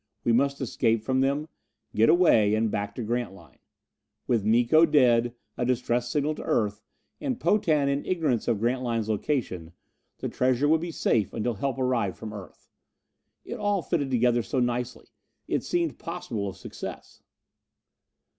We must escape from them, get away and back to Grantline. With Miko dead a distress signal to Earth and Potan in ignorance of Grantline's location, the treasure would be safe until help arrived from Earth. It all fitted together so nicely! It seemed possible of success.